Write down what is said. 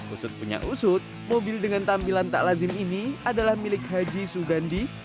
usut punya usut mobil dengan tampilan tak lazim ini adalah milik haji sugandi